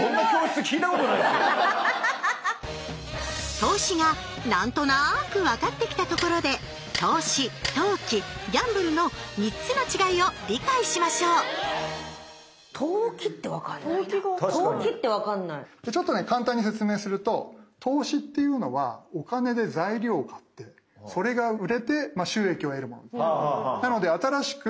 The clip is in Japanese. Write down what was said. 投資が何となく分かってきたところで投資投機ギャンブルの３つの違いを理解しましょうじゃあちょっとね簡単に説明すると投資っていうのはお金で材料を買ってそれが売れて収益を得るもの。